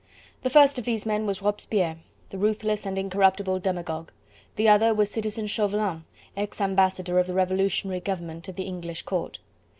The first of these men was Robespierre, the ruthless and incorruptible demagogue; the other was Citizen Chauvelin, ex ambassador of the Revolutionary Government at the English Court.